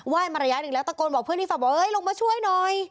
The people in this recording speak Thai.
ยมาระยะหนึ่งแล้วตะโกนบอกเพื่อนที่ฝั่งบอกเฮ้ยลงมาช่วยหน่อย